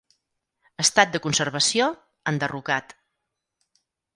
Estat de conservació: enderrocat.